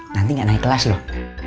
nanti gak naik kelas loh